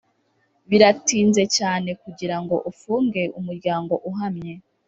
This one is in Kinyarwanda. biratinze cyane kugirango ufunge umuryango uhamye